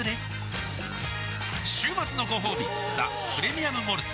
週末のごほうび「ザ・プレミアム・モルツ」